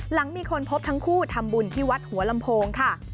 หลังมีคนพบทั้งคู่ทำบุญที่วัดหัวลำโพงค่ะ